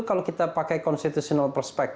kalau kita pakai perspektif konstitusional